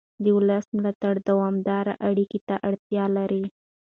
د ولس ملاتړ دوامداره اړیکې ته اړتیا لري